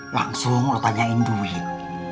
langsung lu tanyain duit